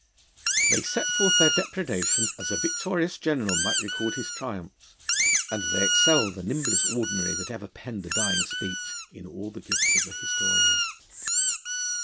They set forth their depredation, as a victorious general might record his triumphs, and they excel the nimblest Ordinary that ever penned a dying speech in all the gifts of the historian.